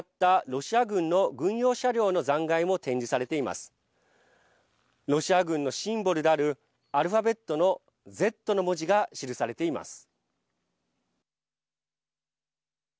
ロシア軍のシンボルであるアルファベットのＺの文字が記されています。